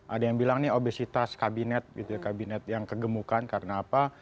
ada yang bilang ini obesitas kabinet gitu ya kabinet yang kegemukan karena apa